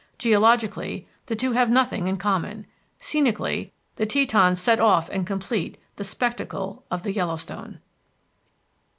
Geologically, the two have nothing in common. Scenically, the Tetons set off and complete the spectacle of the Yellowstone.